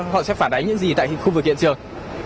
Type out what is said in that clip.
họ sẽ phản ánh những gì tại khu vực hiện trường